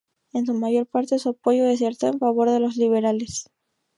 En su mayor parte, su apoyo desertó en favor de los liberales.